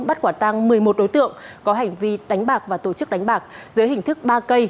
bắt quả tăng một mươi một đối tượng có hành vi đánh bạc và tổ chức đánh bạc dưới hình thức ba cây